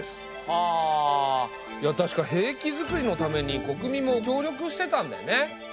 はあいや確か兵器づくりのために国民も協力してたんだよね。